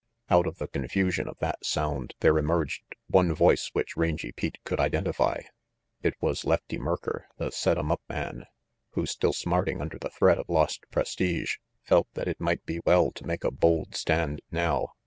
Out of the confusion of that sound there emerged one voice which Rangy Pete could identify. It was Lefty Merker, the set 'em up man, who, still smart ing under the threat of lost prestige, felt that it might be well to make a bold stand now.